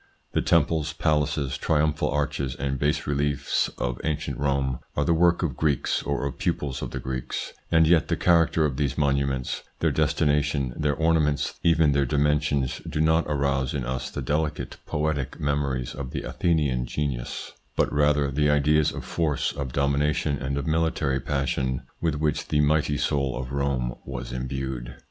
The temples, palaces, triumphal arches, and bas reliefs of ancient Rome are the work of Greeks or of pupils of the Greeks ; and yet the character of these monuments, their destination, their ornaments, even their dimensions, do not arouse in us the delicate, poetic memories of the Athenian genius, but rather the ideas of force, of domination, and of military passion with which the mighty soul of Rome was imbued.